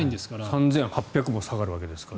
３８００ｍ下がるわけですから。